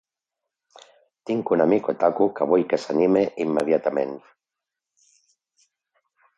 Tinc un amic otaku que vull que s'anime immediatament.